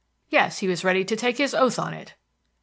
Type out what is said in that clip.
Yes, he was ready to take his oath on it.